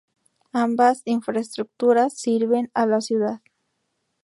Ambas infraestructuras sirven a la ciudad.